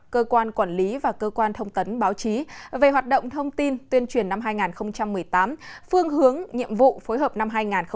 cơ quan quản lý và cơ quan thông tấn báo chí về hoạt động thông tin tuyên truyền năm hai nghìn một mươi tám phương hướng nhiệm vụ phối hợp năm hai nghìn một mươi chín